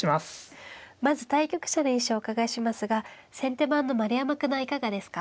まず対局者の印象をお伺いしますが先手番の丸山九段はいかがですか。